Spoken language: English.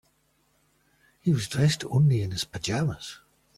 He was dressed only in his pajamas.